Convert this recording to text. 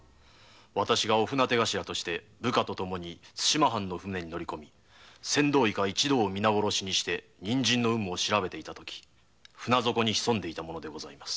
私が御船手頭として対馬藩の船に乗り込み船頭以下を皆殺しにして人参の有無を調べていた時船底に潜んでいた者でございます。